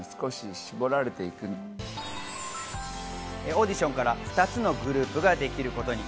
オーディションから２つのグループができることに。